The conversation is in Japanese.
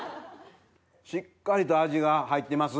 しっかりと味が入ってます。